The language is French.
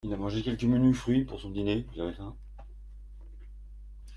Il a mangé quelques menus fruits pour son dîner.